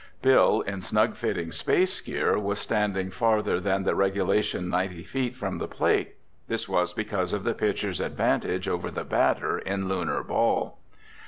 Bill, in snug fitting space gear, was standing farther than the regulation ninety feet from the plate. This was because of the pitcher's advantage over the batter in Lunar ball.